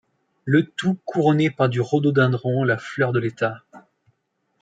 Le tout couronné par du rhododendron la fleur de l'État.